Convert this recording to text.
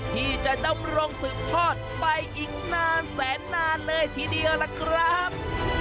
ที่จะดำรงสืบทอดไปอีกนานแสนนานเลยทีเดียวล่ะครับ